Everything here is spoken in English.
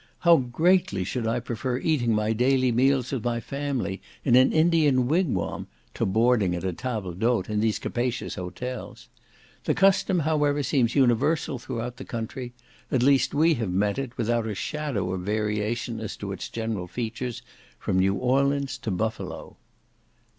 How greatly should I prefer eating my daily meals with my family, in an Indian wig wam, to boarding at a table d'hôte in these capacious hotels; the custom, however, seems universal through the country, at least we have met it, without a shadow of variation as to its general features, from New Orleans to Buffalo.